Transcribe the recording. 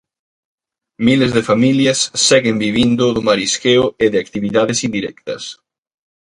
Miles de familias seguen vivindo do marisqueo e de actividades indirectas.